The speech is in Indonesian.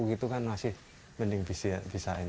gitu kan masih mending bisa